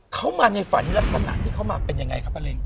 เขามาในฝันลักษณะที่เขามาเป็นยังไงครับป้าเล็ง